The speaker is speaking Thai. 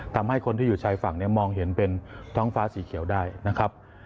ทำให้คนที่อยู่ชายฝั่งเนี่ยมองเห็นเป็นท้องฟ้าสีเขียวได้นะครับ